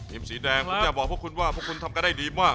สีแดงผมจะบอกพวกคุณว่าพวกคุณทำกันได้ดีมาก